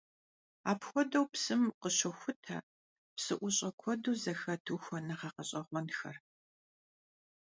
Апхуэдэу псым къыщохутэ псыӀущӀэ куэду зэхэт ухуэныгъэ гъэщӀэгъуэнхэр.